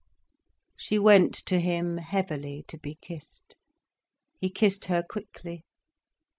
She went to him heavily, to be kissed. He kissed her quickly.